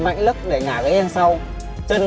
đẩy mạnh lấp để ngả ghế sang sau